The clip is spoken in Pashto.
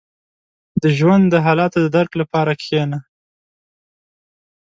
• د ژوند د حالاتو د درک لپاره کښېنه.